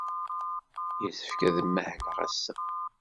Yessefk ad mahleɣ ass-a.